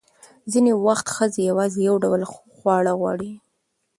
ځینې وخت ښځې یوازې یو ډول خواړه غواړي.